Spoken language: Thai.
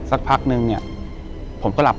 อยู่ที่แม่ศรีวิรัยิลครับ